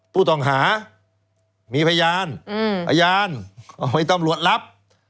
ผู้ต้องหามีพยานพยานให้ตำรวจรับ